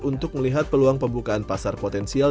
untuk melihat peluang pembukaan pasar potensial